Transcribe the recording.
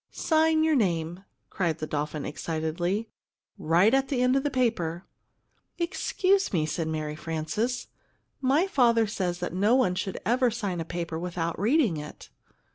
"Sign your name!" cried the dolphin excitedly. "Right at the end of the paper!" "Excuse me," said Mary Frances; "my father says that no one should ever sign a paper without reading it."